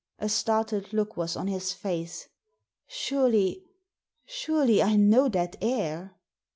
A startled look was on his face. "Surely — surely I know that air!"